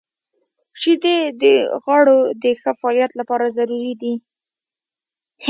• شیدې د غړو د ښه فعالیت لپاره ضروري دي.